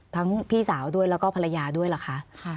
พี่สาวด้วยแล้วก็ภรรยาด้วยเหรอคะ